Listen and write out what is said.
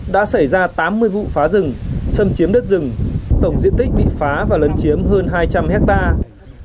đã xảy ra tám mươi vụ phá rừng xâm chiếm đất rừng tổng diện tích bị phá và lấn chiếm hơn hai trăm linh hectare